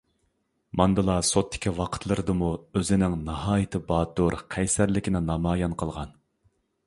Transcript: ماندىلا سوتتىكى ۋاقىتلىرىدىمۇ ئۆزىنىڭ ناھايىتى باتۇر، قەيسەرلىكىنى نامايان قىلغان.